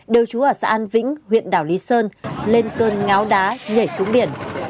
đều trú ở xã an vĩnh huyện đảo lý sơn lên cơn ngáo đá nhảy xuống biển